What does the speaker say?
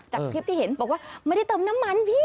จากคลิปที่เห็นบอกว่าไม่ได้เติมน้ำมันพี่